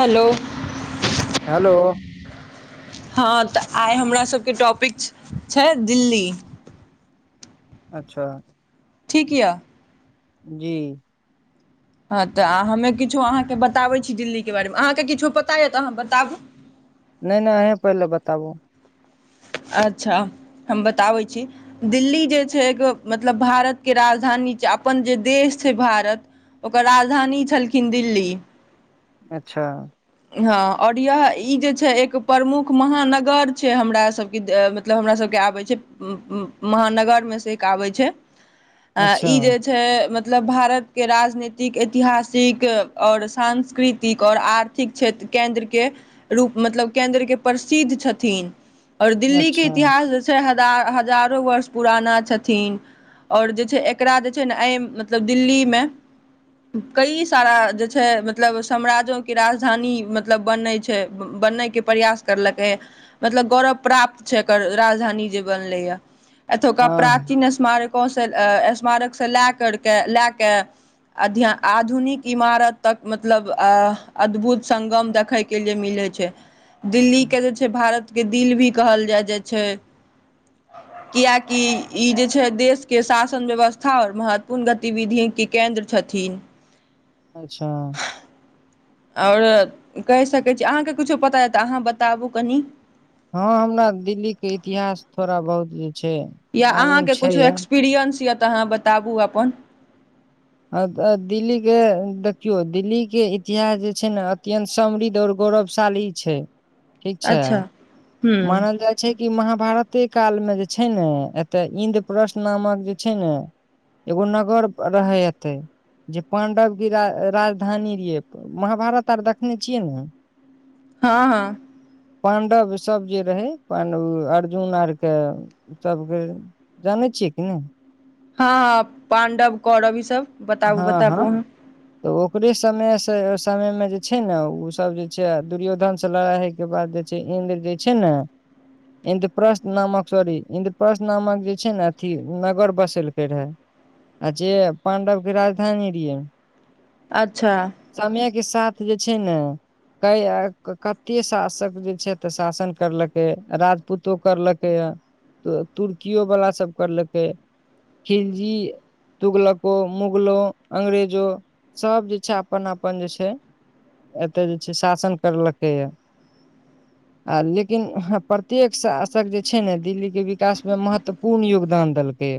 Hello hello हँ तऽ आइ हमरा सबके टॉपिक छै दिल्ली अच्छा ठीक य जी हँ तऽ हमे किछो अहाँकेँ बताबै छी दिल्लीके बारेमे अहाँकेँ किछो पता यए तऽ अहाँ बताबू नइ नइ अही पहिले बताबू अच्छा हम बताबै छी दिल्ली जे छै एगो मतलब भारतके राजधानी छै अपन जे देश छै भारत ओकर राजधानी छलखिन दिल्ली अच्छा हँ आओर इह ई जे छै एक प्रमुख महानगर छै हमरा सभके मतलब हमरा सभके आबैत छै महानगरमे से एक आबै छै आ अच्छा ई जे छै मतब मतलब भारतके राजनीतिक ऐतिहासिक आओर सांस्कृतिक आओर आर्थ क्षेत्र केन्द्र के रूप मतलब केन्द्र के प्रसिद्ध छथिन औ दिल्ली के अच्छा इतिहास जे छै क राजधानी मतलब बनै छै बनय के प्रयास करलकै मतलब गौरव प्राप्त छै एकर राजधानी जे बनलैए एतोका हँ प्राचीन स्मारक गाँवसँ स्मारकसँ लए कर क लए कऽ अध्य आधुनिक इमारत तक मतलब अद्भुत संगगम देखै के लिए मिलै छै दिल्ली के जे छै भारत के दिल भी कहल जाय जाइ छै किएकि ई जे छै देश के शासन व्यवस्था आओर महत्वपूर्ण गतिविधि के केन्द्र छथिन अच्छा आओर कहि सकैत छी अहाँकेँ किछो पता यए तऽ अहाँ बताबू कनि हँ हमरा दिल्ली के इतिहास थोड़ा बहुत जे छै या मालूम अहाँके छै कुछो य एक्सपीरियंस या तऽहाँ बताबु अपन अ दिल्लीे देखियौ दिल्लीे इतिहास जे छै ने अत्यन्त समृद्ध आऔर गौरवशाली छै ठीक छै अच्छा ह्म मानल जाइ छै कि महाभारते कालमे जे छै ने एतय इन्द्रपश नामक जे छै ने एगो नगर रहै एते जे पाण्डव की राजधानी रहिय महाभारत आर देखने छियै ने हँ हँ पण्डव सब जे रहै अपन ओ अर्जुन आरके सभके जानै छियै कि ने हँ हँ पाण्डव करव ईसभ बताबू हँ हँ बताबू तऽ ओकरे समय से समय में जे छै ने ओ सब जे छै दुर्योधन से लड़ाइ हय के बाद जे छै इद्र जे छै ने इद्रप्रस्थ नामक सॉरी इन्द्रप्रस्थ नामक जे छै ने अथी नगर बसेलकै रहे आ जे पां्डव राजधानी रए अच्छा के साथ जे छै ने क कते शासक जे छै त शासन करलकै राजपूतो करलकै य त तुर्कियो वाला सब करलकै खिलजी तुगलको मुगलो अंग्रेजो सब जे छै अपन अपन जे छै एतय जे छै शासन करलकैए आ लेकिन प्रत्येक शासक जे छै ने दिल्लीके विकासमे महत्वपूर्ण योगदान देलकै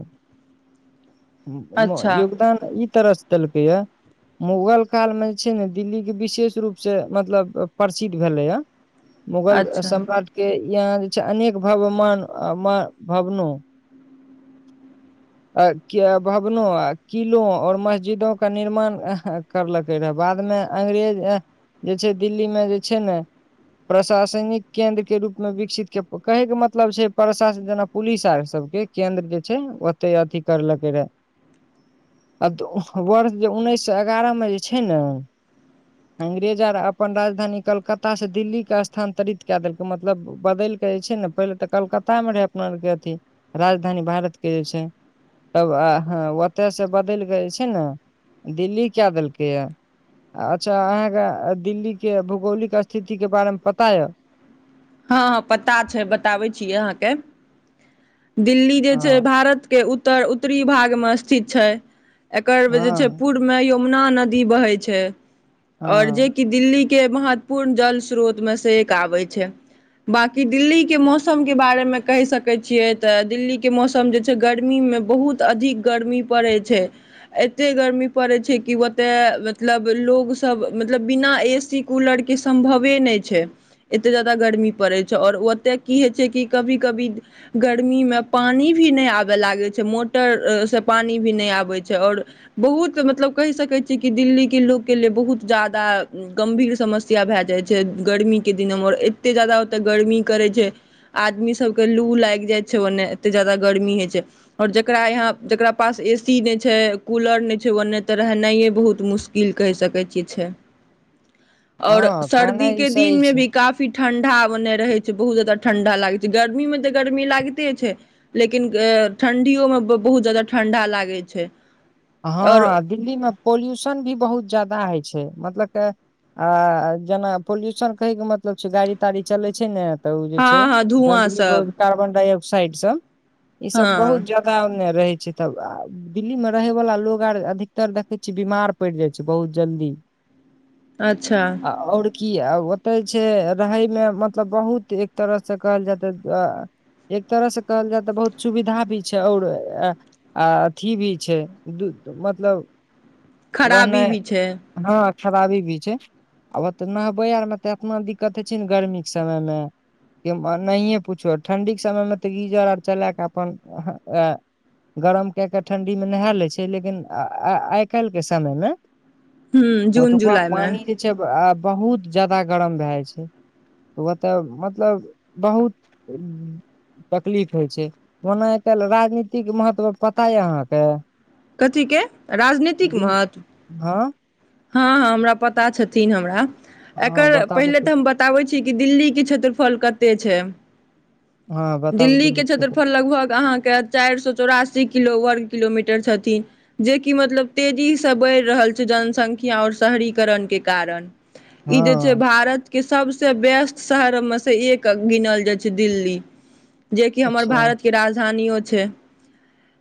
ह अच्छा योग ई तरहस देलकै य मुगल काल मे जे छै ने दिल्ली के विशेष रूप से मतलब प्रसिद्ध भेले या मुगल अच्छा सम्राट के यहाँ जे छै अनेक भवमान भवनो भवनो आ किलो आऔर मस्जिदों का निर्माण करलकै रहए बादमे अंग्रेज जे छै दिल्लीमे जे छै ने प्रशासनिक केन्द्र के रूपमे विकसित के कहैके मतलब छै प्रशासन जेना पुलिस आर सबके केन्द्र जे छै े अथी करलकै रहे आ वर्ष जे उन्नैस सए एगारह मे जे छै ने अंग्रेज आर अपन राजधानी कलकत्तास से दिल्ली के स्थानंतरित क देलकै मतलब बदलि कऽ जे छै ने पहिले तऽ कलकत्ता मे रहे अपना आरके अथी राजधानी भारत के जे छै तब आ हँ ओतयसँ बदलि कऽ जे छै ने दिल्ली कए देलकैए अच्छा अहाँके दिल्लीके भूगोलिक स्थितिके बारेमे पता यए हँ हँ पता छै बताबै छियै अहाँके दिल्ली जे छै हँ भारत के उत्तर उत्तरी भागमे स्थित छै एकर जे छै हँ पूर् में यो यमना नदी बहै छै आओर जे हँ कि दिल्ली के महत्वपूर्ण जल स्रोत मे से एक आबै छै। बाकी दिल्लीके मौसमके बारेमे कहि सकैत छियै त दिल्लीके मौसम जे छै गर्मीमे बहुत अधिक गर्मी पड़ैत छै एतेक गर्मी पड़ैत छै कि ओतय मतलब लोकसब मतलब बिना ए सी कुलरके सम्भवे नहि छै। एतेक जे जादा गर्मी पड़ै छै आओर ओतय की होइ छै कि कभी कभी गर्मीमे पानि भी नहि आबय लागै छै मोटर से पानी भी नहि आबै छै आओर बहुत मतलब कहि सकै छियै कि दिल्लीे लोकोके लिए बहुत जादा गमभीर समस्या भए जाइ छै गर्मीके के दिनमे आओर एतेक जादा ओतय गर्मी करै छै, आदमी सबके लू लागि जाइ छै ओनय, एतेक जादा गर्मी होइ छै और जकरा यहां जकरा पास ए सी नहि छै कुलर नहि छै ओनय त रहनाइए बहुत मुश्किल कहि सकै छियै छै। और हँ सरदी कहनाइ ई के सही दिनमे छै भी का ठंढा ओनय रहै छै बहुत ज्यादा ठंढा लागै छै, गर्मीमे त गर्मी लागिते छै, लेकिन ठंढ़ियो मे बहुत ज्यादा ठंढा लागैत छै। और हां, दिल्ली मे पोल्यूशन भी बहुत जादा होइ छै मतलब के आ जेना पोल्यूशन कहैके मतलब छै गाड़ी ताड़ी चलै छै ने त ओ जे छै हँ हँ धुआँ गन्दगी सब बहुत कार्बनडाईऑक्साइड साइड सं इ सब बहुत हँ जगह रहै छै तब, आ दिल्ली मे रहै वला लोग और अधिकतर देखै छियै बीमार पड़ि जाइ छै, बहुत जल्दी। अच्छा आ और की औ ओतै छै रहे मे मतलब बहुत एक तरह से कहल जाय ते एक तरह से कहल जाय ते बहुत सुविधा भी छै और अथि भी छै, दू त मतलब खराबी रहनाइ भी छै। हँ खराबी भी छै, आब ओतना भयानक गरमी मे ते एतना दिक्कत होइ छै ने गर्मी के समय मे, कि नहिये पुछु ठंडी के समय में ते गीजर और चला के अपन गरम क के ठंडी मी मे नहा लै छै लेकिन आइ आइ काल्हि के समय मे ह जून ओतुका जुलाई मे पानि जे छै ने आब बहुत जादा गरम भए जाइ छै। ओत मतलब बहुत तकलीफ होइ छै। ओना ओतुका राजनीतिक महत्व पता अइ अहांके। हां कथिके, राजनीतिक महत्व, हँ हां हां हमरा पता छथिन हमरा एं, हँ एकर बताबू पहिने त हम बताब छी कि दिल्ली के क्षेत्रफल कते छै। हँ बताबू दिल्ली के क्षेत्र क्षेत्रफल लगभग अहांके चारि सौ चौरासी किलो वर्ग किलोमीटर छथि कि, जेकि मतलब तेजीसं बढ़ि रहल छै जनसंख्या और शहरीकरण के कारण इ जे छै हँ भारत के सबसे व्यस्त शहरमे सं एक गिनल जाइ छै दिल्ली। जेकि हमर अच्छा भारत के राजधानियो छै,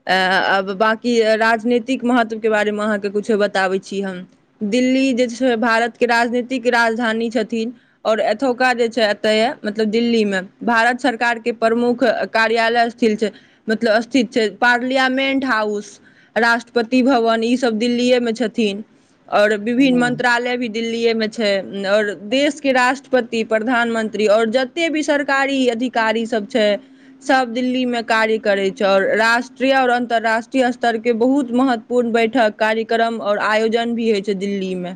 अं आब बाकी कि राजनीतिक महत्वके बारेमे अहांके कुछो बताबै छी हम। दिल्ली जे छै भारतके राजनीतिक राजधानी छथिन और एतुका जे छै एतय मतलब दिल्लीमे भारत सरकारके प्रमुख कार्यालय स्थल छै, मतलब स्थित छै, पार्लियामेन्ट हाउस राष्ट्रपति भवन ईसब दिल्लिएमे छथिन। और विभिन्न हुं मंत्रालय भी दिल्लीएमे छै और देशके राष्ट्रपति, प्रधानमंत्री और जते भी सरकारी अधिकारी सब छै सब दिल्लीमे कार्य करै छै और राष्ट्रीय और अंतरराष्ट्रीय स्तर के बहुत महत्वपूर्ण बैठक कार्यक्रम और आयोजन भी होइ छै दिल्ली मे।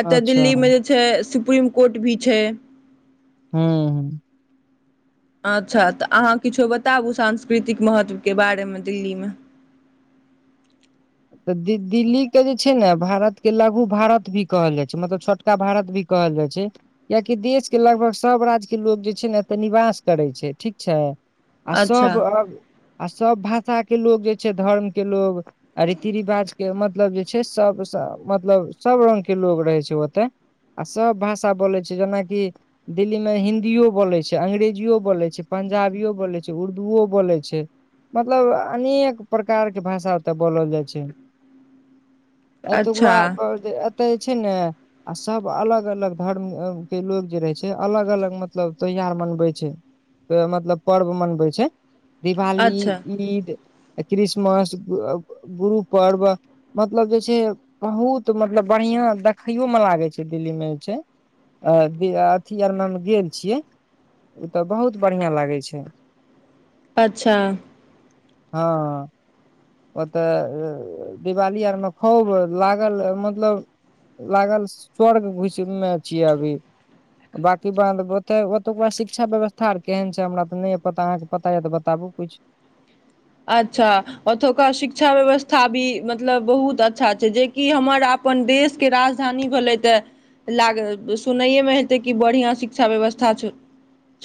एतऽ अच्छा दिल्लीमे जे छै सु सुप्रीम कोर्ट भी छै। हँ। अच्छा तऽ अहाँ किछो बताबू सांस्कृतिक महत्वके बारेमे दिल्लीमे। तऽ द दी दिल्ली के जे छै ने भारत के लघु भारत भी कहल जाय छै मतलब छोटका भारत भी कहल जाइ छै कियकि देश के लगभग सब राज्य के लोग जे छै ने एते निवास करे छै ठीक छै। आ अच्छा सब अ आ सब भा षा के लोग जे छै धर्म के लोग। आ रीति रिवाजके मतलब जे छै सभ स मतलब सभ रङ्गके लोक रहै छै ओतय आ सभ भाषा बोलै छै जेनाकि दिल्लीमे हिदिओ बोलै छै अंग्रेजिओ बोलै छै पंजाबिओ बोलै छै उर्दूओ बोलै छै मतलब अनेक प्रकारके भाषा। तऽ बोलल जाइ छै। एत। अच्छा [unintelligible] एतऽ जे छै ने आ सब अलग-अलग धर्म के लोग जे रहै छै अलग-अलग मतलब त्यौहार मनबै छै मतलब पर्व मनबै छै। दिवाली अच्छा ईद। क्रिसमस बु अ गुरु पर्व मतलब जे छै बहुत मतलब बढ़िआँ देखैओमे लागै छै दिल्लीमे जे छै आ अथी आरमे हम गेल छियै ओ तऽ बहुत बढ़िआँ लागै छै। अच्छा। हँ। ओतय दिवाली आरमे खूब लागल मतलब लागल स्वर्ग घुसमे छियै अभी बाँकी बात ओतय ओतुका शिक्षा व्यवस्था आर केहन छै हमरा तऽ नहि य पता अहाँके पता यए तऽ बताबू किछ। अच्छा ओतुक्का शिक्षा व्यवस्था भी मतलब बहुत अच्छा छै जेकि हमर अपन देशके राजधानी भेलै तऽ लाग सुनैएमे हेतै कि बढ़िआँ शिक्षा व्यवस्था छै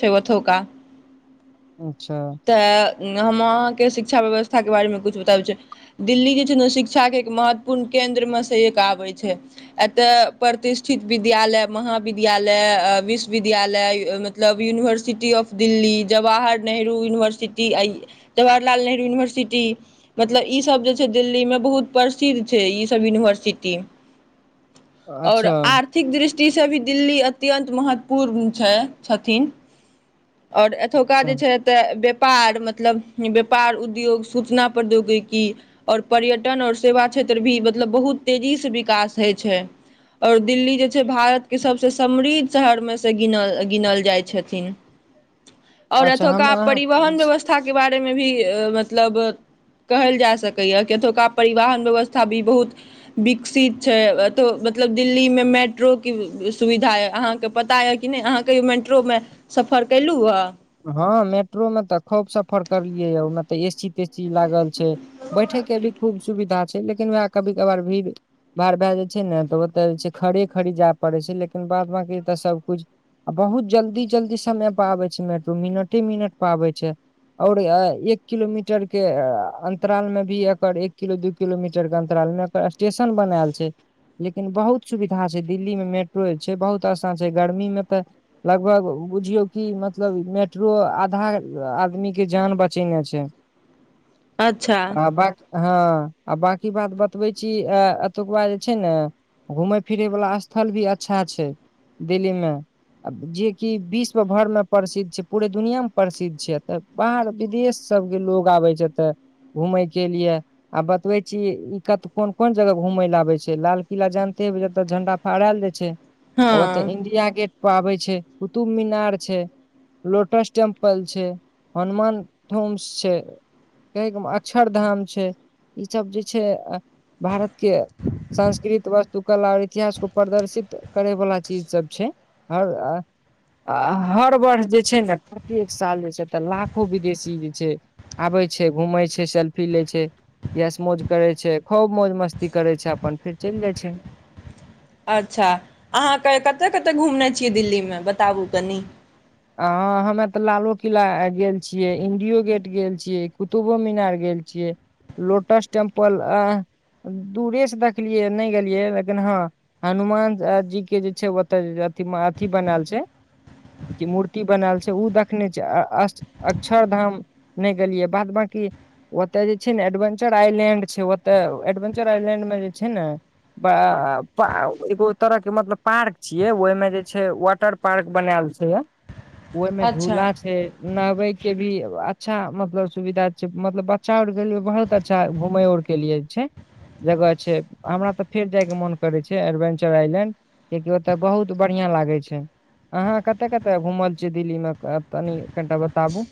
छै ओथौका। अच्छा तऽ हम अहाँके शिक्षा व्यवस्था शिक्षा के बारे मे कुछ बताबै छै दिल्ली जे छै ने शिक्षा के एक महत्वपूर्ण केंन्द्र में से एक आबे छै एतय प्रतिष्ठित विद्यालय महाविद्यालय विश्वविद्यालय मतलब यूनिवर्सिटी ऑफ दिल्ली जवाहर नेहरू। रु यूनिवर्सिटी आ जवाहरलाल नेहरू यूनिवर्सिटी मतलब ई सब जे छै दिल्लीमे बहुत प्रसिद्ध छै ई सब यूनिवर्सिटी। और अच्छा आर्थिक दृष् टी से भी दिल्ली अत्यन्ंत महत्वपूर्ण छै छथिन। आओर एथौका अच्छा जे छैथ। व्यापार मतलब व्यापार उद्योग सूचना प्रौद्योगिकी और पर्यटन आओर सेवा क्षेत्र भी मतलब बहुत तेजीसँ विकास होइ छै और दिल्ली जे छै भारतके सभसँ समृद्ध शहरमे सँ गिनल गिनल जाइ छथिन। और अच्छा एथौका। हमे परिवहन अहाँ व्यवस्था के बार बारे मे भी मतलब कहल जा सकै या कि एथौका परिवाहन व्यवस्था भी बहुत विकसित छैय एतहो मतलब दिल्ली मे मेट्रो के सुविधा य अहाँके पता य क नहि अहाँ कहियो मेट्रो मे सफर केलहु ह। हँ मेट्रो में तऽ खूब सफर करलियै ह ओहिमे तऽ एसी तेसी। सी लागल छै बैठे के भी खूब सुविधा। लेकिन वएह कभी कभार भीड़ भाड़ भए जाय छैय ने तऽ ओतय जे छैय खड़े खड़ी जाय पड़े छैय लेकिन बाद ब की सब कुछ आ बहुत जल्दी जल्दी समय पर आबे छैय मेट् ो मिनटे मिनट पाबे छैय और एक किलोमीटर के अंतराल में भी एकर एक किलो दू किलोमीटर के अंतराल में एकर स्टेशन बनायल छैय लेकिन बहुत सुविधा छैय दिल्ली में मेट्रो जे छै बहुत आसा छैय गर्मी में त लगभग बुझियो की मतलब। मेट्रो आधा आदमी के जान बचेने छैय। अच्छा। हँ आ बाकी बात बतबे छी अ एतुकबा जे छैय ने घूमेय फिरे वाला स्थल भी अच्छा छैय दिल्ली में जेकि विश्व भर में प्रसिद्ध। छै पूरे दुनिया मे प्रसिद्ध छैय एत बाहर विदेश सब के लोग आबे छैय एते घूमेय के लिए आ बतबे छीय ई कत क कोन कोन जगह घूमेय ले आबे छैय लाल किला जानते हेबै जतऽ झंडा फहराएल जाय छैय। ओतय हँ इंडिया गेट पर आबै छैय कुतुब मीनार छैय लोटस टेम्पल छैय हनुमान ोम्स छैय कहैके अक्षर धाम छैय ई सब जे छैय। भारत के संस्कृत व तू कला और इतिहास को प्रदर्शित करै वला चीज सब छैय ह हर वर् जे छैय ने कात एक साल जे छैय तऽ लाखो विदेशी जे छैय आबे छै घूमेै छैय सेल्फी ले छैय यस मौज करै छैय खूब मौज मस्ती करै छैय अपन फेर चलि जाइ छैय। अच्छा अहाँकेँ कतय कतय घुमने छियै दिल्लीमे बताबू कनि। हँ हमे तऽ लालू किला गेल छियै इं्डियो गेट गेल छियै कुतुब मीनार गेल छियै लोटस टेम्पल आ दूरेसँ देखलियै नहि गेलियै लेकिन हँ हनुमान जीके जे छैय ओतय अथि अथिी बनायल छैय क मूर्ति बनायल छैय उ देखने छय अक्षर धाम ने गेलिये बाद बाकी ओते जे छैय ने एडवेंचर आईलैंड छैय ओते एडवेंचर आईलैंड में जे छैय ने एगो तरह के मतलब पार्क छीये ओहि में जे छैय वाटर पार्क बनायल छैय य ओहिमें अच्छा झूला छैय नहबै के भी अच्छा मतलब सुविधा छैय मतलब बच्चा अउर र के लिए बहुत अच्छा घूमे अउर र के लिए छैय जगह छैय हमरा तऽ फेर जाय के मन करे छैय एडवेंचर आईलैंड कैकि ओते बहुत बढ़िया लागे छैय अहा कते कते क घुमल छियै दिल्ली मे तनि कनिटा बताबु।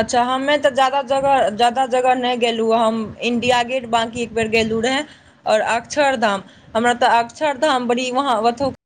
अच्छा हमे तऽ जाद जगह ज्यादा जगह नहि गेलहुँ हम इं्डिया गेट बाँकी एक बेेर गेलहुँ रहए आओर अक्षरधाम हमरा तऽ अक्षरधाम बड़ी वहाँ ओतहु